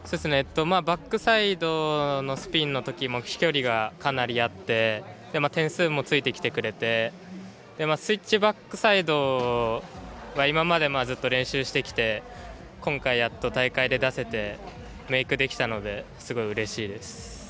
バックサイドのスピンのときも飛距離がかなりあって点数もついてきてくれてスイッチバックサイドは今までずっと練習してきて今回、やっと大会で出せてメークできたのですごいうれしいです。